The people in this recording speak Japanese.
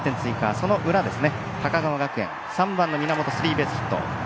その裏、高川学園３番の源、スリーベースヒット。